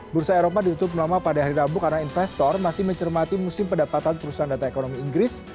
bursa eropa ditutup lama pada hari rabu karena investor masih mencermati musim pendapatan perusahaan data ekonomi inggris